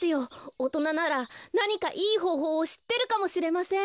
おとなならなにかいいほうほうをしってるかもしれません。